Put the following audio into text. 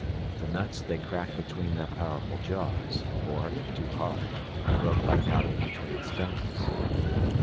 The nuts they cracked between their powerful jaws, or, if too hard, broke by pounding between stones.